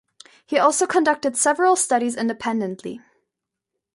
He also conducted several studies independently.